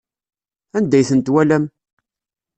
Anda ay ten-twalam?